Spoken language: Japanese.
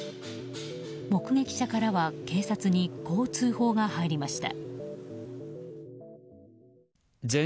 目撃者からは警察にこう通報が入りました。